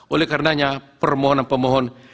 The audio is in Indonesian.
oleh karenanya permohonan pemohon